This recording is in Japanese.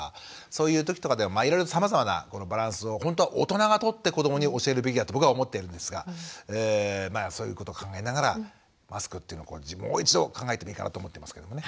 そういう時とかでもいろいろさまざまなバランスをほんとは大人が取って子どもに教えるべきだと僕は思っているんですがまあそういうこと考えながらマスクっていうのをもう一度考えてもいいかなと思ってますけれどもね。